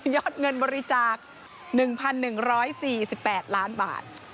ยอดเงินบริจาค๑๑๔๘ล้านบาท